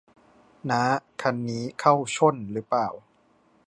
น้า คันนี้เข้าช่นหรือเปล่า